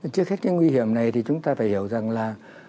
trước hết cái nguy hiểm này thì chúng ta phải hiểu rằng là